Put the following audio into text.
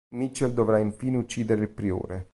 Mitchell dovrà infine uccidere il priore.